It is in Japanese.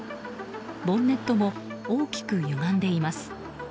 ボンネットも大きくゆがんでいます。